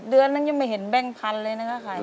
เดือนนั้นยังไม่เห็นแบ่งพันเลยนะคะค่ะ